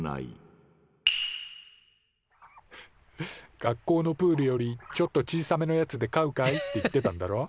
「学校のプールよりちょっと小さめのやつで飼うかい？」って言ってたんだろ？